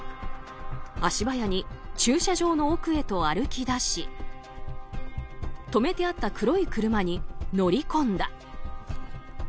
足早に駐車場の奥へと歩き出し止めてあった黒い車に乗り込んだ。